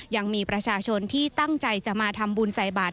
ยังมีประชาชนที่ตั้งใจจะมาทำบุญใส่บาท